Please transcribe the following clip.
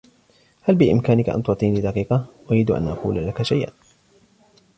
هل بإمكانك أن تعطيني دقيقة ؟ أريد أن أقول لك شيئا.